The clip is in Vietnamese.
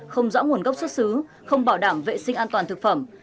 không rõ nguồn gốc xuất xứ không bảo đảm vệ sinh an toàn thực phẩm